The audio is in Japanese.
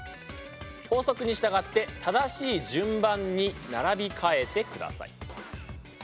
法則に従って正しい順番に並び替えてください。